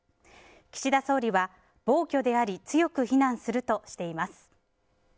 岸田総理は暴挙であり強く非難するとしています。